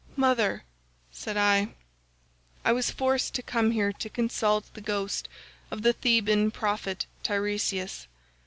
"'Mother,' said I, 'I was forced to come here to consult the ghost of the Theban prophet Teiresias.